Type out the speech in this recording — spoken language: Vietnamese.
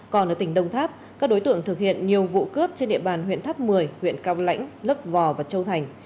còn ở tỉnh đông tháp các đối tượng thực hiện nhiều vụ cướp trên địa bàn huyện tháp một mươi huyện cao lãnh lấp vò và châu thành